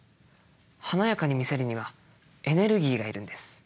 華やかに見せるにはエネルギーがいるんです。